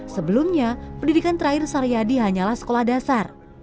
sebelumnya pendidikan terakhir saryadi hanyalah sekolah dasar